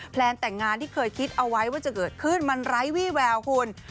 แลนแต่งงานที่เคยคิดเอาไว้ว่าจะเกิดขึ้นมันไร้วี่แววคุณ